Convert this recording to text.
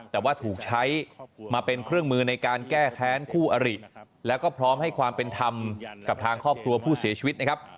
แต่ว่าถูกใช้มาเป็นเครื่องมือในการแก้แค้นคู่อริแล้วก็พร้อมให้ความเป็นธรรมกับทางครอบครัวผู้เสียชีวิตนะครับ